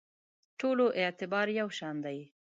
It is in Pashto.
ټولو اعتبار یو شان دی.